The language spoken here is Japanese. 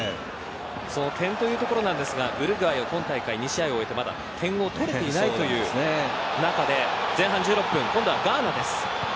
その点というところですがウルグアイは今大会２試合を終えてまだ点を取れていないという中で前半１６分、今度はガーナです。